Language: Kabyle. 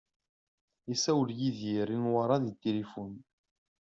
Isawel Yidir i Newwara di tilifun.